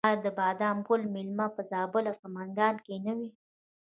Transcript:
آیا د بادام ګل میله په زابل او سمنګان کې نه وي؟